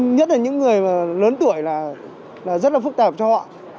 nhất là những người mà lớn tuổi là rất là phức tạp cho họ